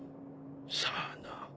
さあな。